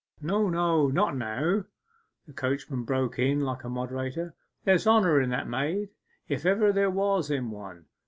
'No, no: not now,' the coachman broke in like a moderator. 'There's honour in that maid, if ever there was in one.